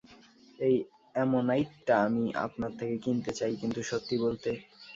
এই অ্যামোনাইটটা আমি আপনার থেকে কিনতে চাই, কিন্তু সত্যি বলতে।